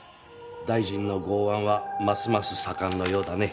大臣の剛腕はますます盛んのようだね。